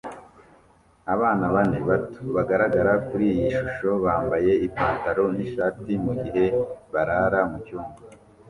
Abana bane bato bagaragara kuri iyi shusho bambaye ipantaro nishati mugihe barara mucyumba